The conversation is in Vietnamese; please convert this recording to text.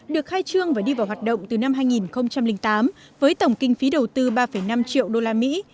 được khai trương và đi vào hoạt động từ năm hai nghìn tám với tổng kinh phí đầu tư ba năm triệu đô la mỹ